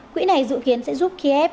quỹ này dự kiến sẽ giúp kiev